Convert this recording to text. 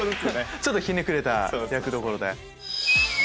ちょっとひねくれた役どころで。